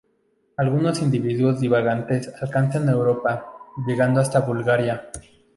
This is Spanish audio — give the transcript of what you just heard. Algunos individuos divagantes alcanzan Europa, llegando hasta Bulgaria.